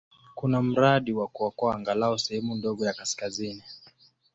Kuna mradi wa kuokoa angalau sehemu ndogo ya kaskazini.